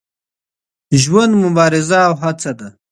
ژوند مبارزه او هڅه ده.